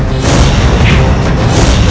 aku sudah berhenti